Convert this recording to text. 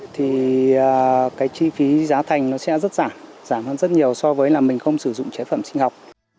thì chi phí giá thành sẽ rất giảm giảm hơn rất nhiều so với mình không sử dụng chế phẩm sinh học